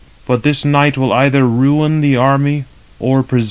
But this night will either ruin the army or preserve it."